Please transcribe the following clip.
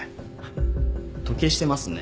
時計してますね。